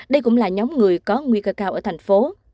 đây cũng là nhóm người có nguy cơ cao ở thành phố